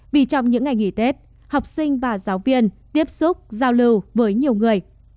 vì trong những ngày nghỉ tết học sinh và giáo viên tiếp xúc giao lưu với nhiều người